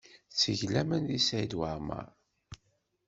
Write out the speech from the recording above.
Ttgeɣ laman deg Saɛid Waɛmaṛ.